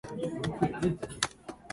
ベトナムの首都はハノイである